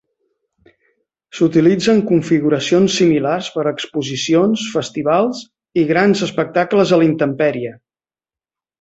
S'utilitzen configuracions similars per a exposicions, festivals i grans espectacles a la intempèrie.